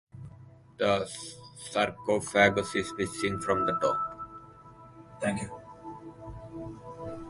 The sarcophagus is missing from the tomb.